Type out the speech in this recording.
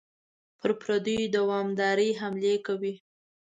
پر پردیو دوامدارې حملې کوي.